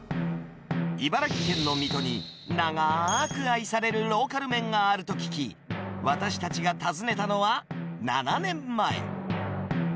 茨城県の水戸に、長ーく愛されるローカル麺があると聞き、私たちが訪ねたのは７年前。